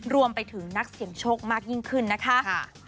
รวมไปถึงนักเสี่ยงโชคมากยิ่งขึ้นนะคะ